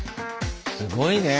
すごいね。